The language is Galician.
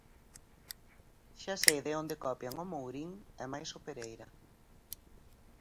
Xa sei de onde copian o Mourín e máis o Pereira.